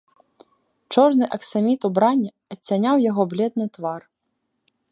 Чорны аксаміт убрання адцяняў яго бледны твар.